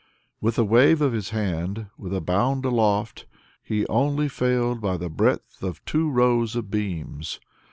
With a wave of his hand, with a bound aloft, he only failed by the breadth of two rows of beams.